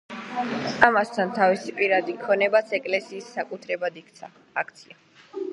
ამასთან, თავისი პირადი ქონებაც ეკლესიის საკუთრებად აქცია.